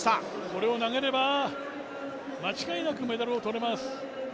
これを投げれば間違いなくメダルを取れます。